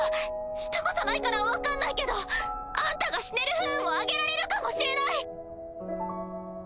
したことないから分かんないけどあんたが死ねる不運をあげられるかもしれない！